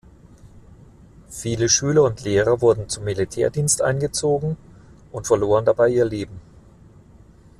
Viele Schüler und Lehrer wurden zum Militärdienst eingezogen und verloren dabei ihr Leben.